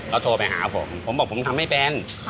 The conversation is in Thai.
ก็โทรไปหาผมผมบอกผมทำไม่เป็น